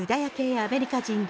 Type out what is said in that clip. アメリカ人ら